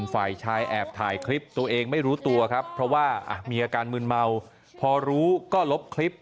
ฝ่ายชายแอบถ่ายคลิปตัวเองไม่รู้ตัวครับเพราะว่ามีอาการมืนเมาพอรู้ก็ลบคลิป